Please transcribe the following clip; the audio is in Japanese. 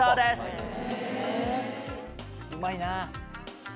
うまいなあ。